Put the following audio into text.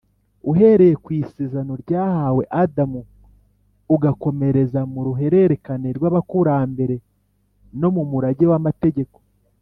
” Uhereye ku isezerano ryahawe Adamu, ugakomereza mu ruhererekane rw’abakurambere no mu murage w’amategeko